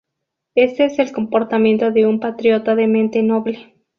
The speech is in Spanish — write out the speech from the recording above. Este es el comportamiento de un patriota de mente noble.